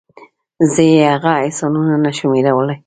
زه یې هغه احسانونه نشم هېرولی.